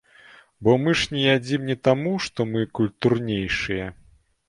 Бо мы ж не ядзім не таму, што мы культурнейшыя.